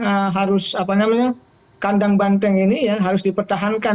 yang tentu ini harus apa namanya kandang banteng ini ya harus dipertahankan